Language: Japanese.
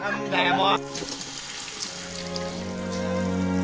もう。